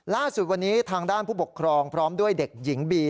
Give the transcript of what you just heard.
ล่าสุดวันนี้ทางด้านผู้ปกครองพร้อมด้วยเด็กหญิงบี